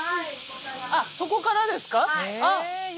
あっそこからですか？